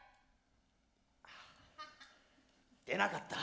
出なかった。